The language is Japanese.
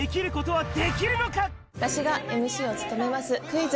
私がＭＣを務めます、クイズ！